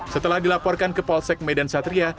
setelah dilaporkan ke polsek medan satria